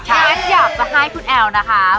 แคทอยากจะให้คุณแอ๋วนะคะ